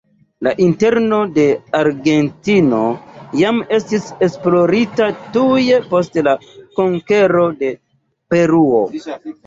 La interno de Argentino jam estis esplorita tuj post la konkero de Peruo.